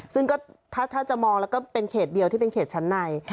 ซึ่งก็ถ้าจะมองแล้วก็เป็นเขตเดียวที่เป็นเขตชั้นใน